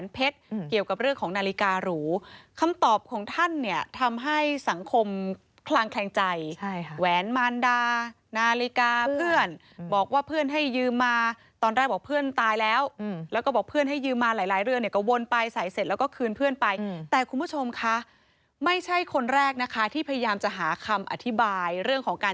เป็นการผมเป็นคนแรกที่พยายามจะหาคำอธีบายเรื่องของการ